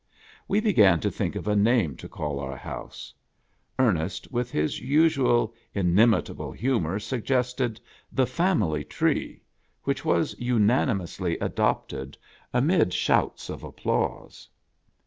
We began to think of a name to call our house. Ernest, with his usual inimitable humor, suggested The Family Tree, which was unanimously adopted amid shouts of applause.